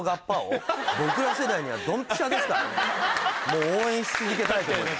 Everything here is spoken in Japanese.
もう応援し続けたいと。